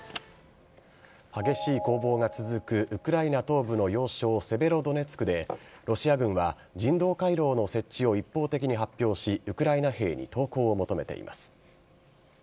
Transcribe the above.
激しい攻防が続くウクライナ東部の要衝セベロドネツクでロシア軍は人道回廊の設置を一方的に発表しウクライナ兵に投降を求めています。